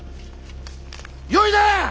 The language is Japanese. よいな！